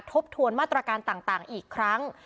ทบทวนมาตรการต่างอีกครั้ง